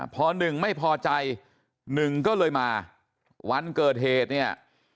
พอหนึ่งไม่พอใจหนึ่งก็เลยมาวันเกิดเหตุเนี่ย